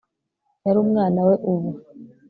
Yari umwana we ubu